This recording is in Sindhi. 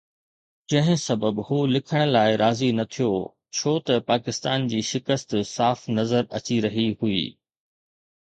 جنهن سبب هو لکڻ لاءِ راضي نه ٿيو ڇو ته پاڪستان جي شڪست صاف نظر اچي رهي هئي.